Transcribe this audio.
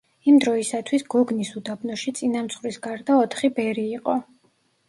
იმ დროისათვის გოგნის უდაბნოში, წინამძღვრის გარდა, ოთხი ბერი იყო.